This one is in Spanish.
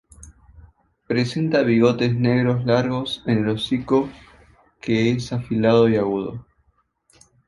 Presenta bigotes negros largos en el hocico, que es afilado y agudo.